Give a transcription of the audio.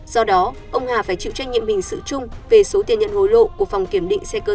do đó ông hà phải chịu trách nhiệm hình sự chung về số tiền nhận hối lộ của phòng kiểm định xe cơ giới